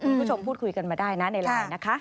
คุณผู้ชมพูดคุยกันมาได้นะในไลน์นะคะ